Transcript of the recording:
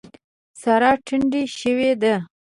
سارا ټنډه شوې ده.